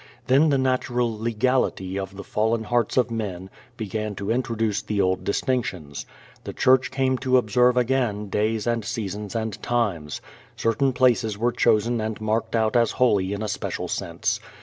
Then the natural legality of the fallen hearts of men began to introduce the old distinctions. The Church came to observe again days and seasons and times. Certain places were chosen and marked out as holy in a special sense.